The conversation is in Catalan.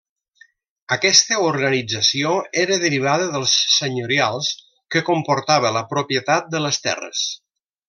Aquesta organització era derivada dels senyorials que comportava la propietat de les terres.